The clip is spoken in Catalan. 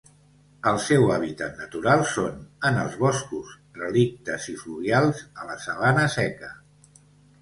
El seu hàbitat natural són en els boscos relictes i fluvials a la sabana seca.